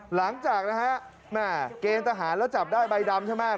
หลังจากนะฮะแม่เกณฑ์ทหารแล้วจับได้ใบดำใช่ไหม